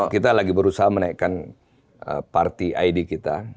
kita lagi berusaha menaikkan party id kita